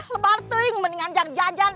lebarti mendinganjak jajan